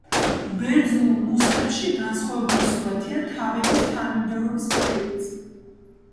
ბერძნულ ნუსხებში განსხვავებული სურათია თავების თანმიმდევრობის მხრივაც.